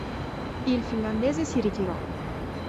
Il finlandese si ritirò.